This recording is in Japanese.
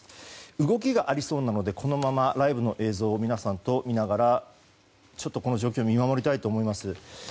動きがありそうなのでこのままライブの映像を皆さんと見ながら、この状況を見守りたいと思います。